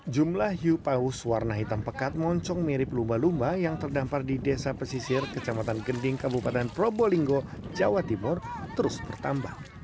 jumlah hiu paus warna hitam pekat moncong mirip lumba lumba yang terdampar di desa pesisir kecamatan gending kabupaten probolinggo jawa timur terus bertambah